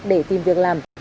để tìm việc làm